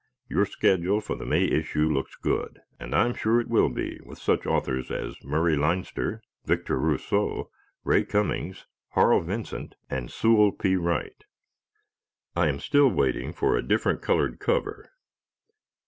Your schedule for the May issue looks good, and I'm sure it will be, with such authors as Murray Leinster, Victor Rousseau, Ray Cummings, Harl Vincent and Sewell P. Wright. I am still waiting for a different colored cover.